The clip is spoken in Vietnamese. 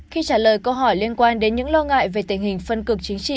khi trả lời câu hỏi liên quan đến những lo ngại về tình hình phân cực chính trị